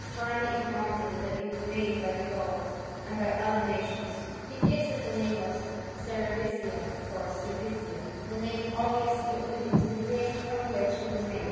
^ Pliny in forms us that it was made by the Grauls, and by other nations. He gives it tlie name ofcerevisia or cervisia; • the name obviously alluding to the grain from which it was made.